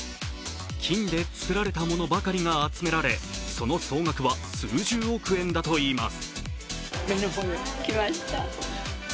金で作られたものばかりが集められ、その総額は数十億円だといいます。